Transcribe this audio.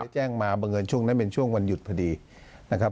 แจ้งมาบังเอิญช่วงนั้นเป็นช่วงวันหยุดพอดีนะครับ